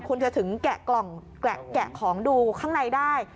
คุณจะถึงแกะกล่องแกะของดูข้างในได้